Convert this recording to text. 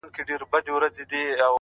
• غېږه تشه ستا له سپینو مړوندونو,